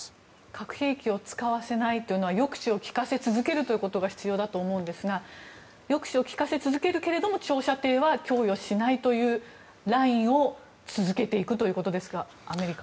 核兵器を使わせないというのは抑止を利かせ続けるということが必要だと思うんですが抑止を利かせ続けるけども長射程のものを供与しないというラインを続けていくということですか。